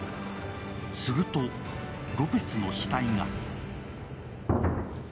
するとロペスの死体が。